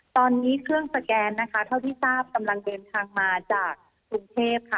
ตอนนี้เครื่องสแกนนะคะเท่าที่ทราบกำลังเดินทางมาจากกรุงเทพค่ะ